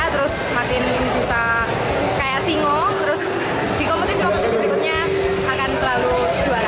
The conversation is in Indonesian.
terus di kompetisi kompetisi berikutnya akan selalu juara